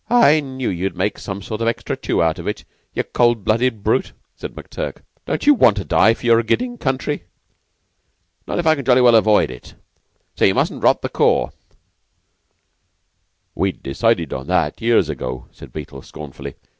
"I knew you'd make a sort of extra tu of it, you cold blooded brute," said McTurk. "Don't you want to die for your giddy country?" "Not if I can jolly well avoid it. So you mustn't rot the corps." "We'd decided on that, years ago," said Beetle, scornfully.